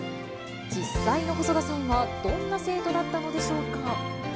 実際の細田さんは、どんな生徒だったのでしょうか。